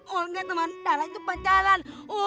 olga sama dara itu pacaran